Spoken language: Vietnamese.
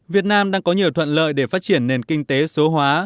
việt nam đang có nhiều thuận lợi để phát triển nền kinh tế số hóa